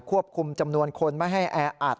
ควบคุมจำนวนคนไม่ให้แออัด